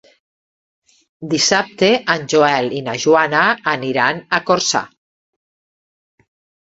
Dissabte en Joel i na Joana aniran a Corçà.